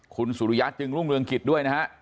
คุณสุริยะจึงรุ่งเรืองกิจด้วยนะฮะ